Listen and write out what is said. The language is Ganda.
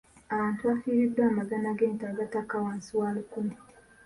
Abantu bafiiriddwa amagana g'ente agatakka wansi wa lukumi.